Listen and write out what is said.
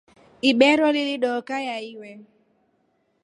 Ibero lilidookaya iwe.